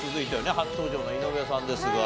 初登場の井上さんですが。